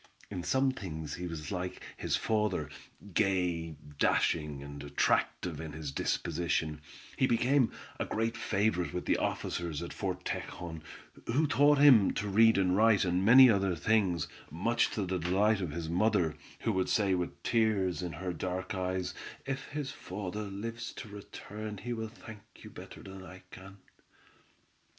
In some things he was like his father; gay, dashing, and attractive in his disposition, he became a great favorite with the officers at Fort Tejon, who taught him to read and write and many other things, much to the delight of his mother, who would say with tears in her dark eyes: "If his father lives to return he will thank you better than I can."